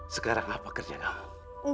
sekarang apa kerja kamu